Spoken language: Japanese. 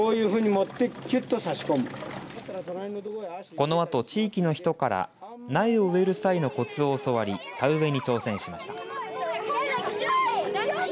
このあと、地域の人から苗を植える際のコツを教わり田植えに挑戦しました。